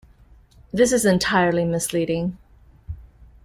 This is entirely misleading.